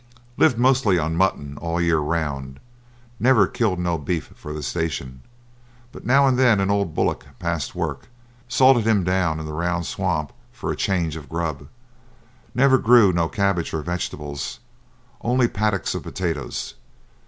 Lived mostly on mutton all the year round; never killed no beef for the station, but now and then an old bullock past work, salted him down in the round swamp for a change o' grub. Never grew no cabbage or wegetables, only a paddock of potatoes.